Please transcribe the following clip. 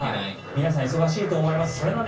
皆さん忙しいと思います。